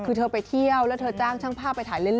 คือเธอไปเที่ยวแล้วเธอจ้างช่างภาพไปถ่ายเล่น